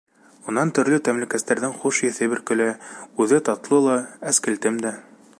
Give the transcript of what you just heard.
Унан төрлө тәмләткестәрҙең хуш еҫе бөркөлә; үҙе татлы ла, әскелтем дә.